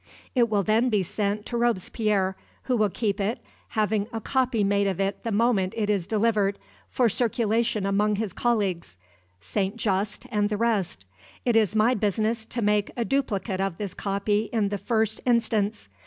It will then be sent to Robespierre, who will keep it, having a copy made of it the moment it is delivered, for circulation among his colleagues St. Just, and the rest. It is my business to make a duplicate of this copy in the first instance.